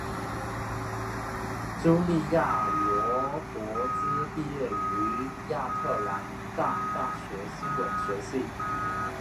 茱莉亚罗勃兹毕业于亚特兰大大学新闻学系。